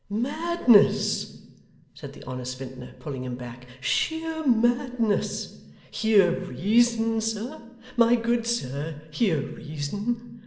'Madness,' said the honest vintner, pulling him back, 'sheer madness. Hear reason, sir. My good sir, hear reason.